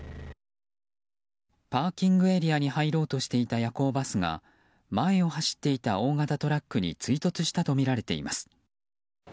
パーキングエリアに入ろうとしていた夜行バスが前を走っていた大型トラックに追突したとみられています。